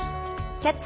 「キャッチ！